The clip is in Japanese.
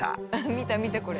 見た見たこれ。